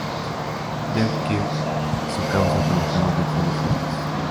Newkirk y su causa provocaron reacciones fuertes.